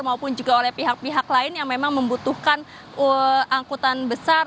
maupun juga oleh pihak pihak lain yang memang membutuhkan angkutan besar